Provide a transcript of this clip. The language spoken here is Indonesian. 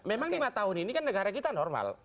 memang lima tahun ini kan negara kita normal